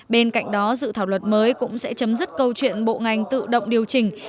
bên cạnh đó dự thảo luật mới cũng sẽ chấm dứt câu chuyện bộ ngành tự động điều chỉnh